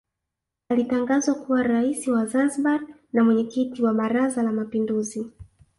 Alitangazwa kuwa Rais wa Zanzibar na Mwenyekiti wa Baraza la Mapinduzi